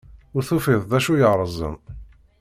Ur tufiḍ d acu yeṛṛeẓen.